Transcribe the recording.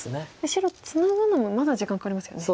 白ツナぐのもまだ時間かかりますよね。